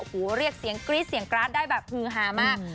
โอ้โหเรียกเสียงกรี๊ดเสียงกราดได้แบบฮือฮามาก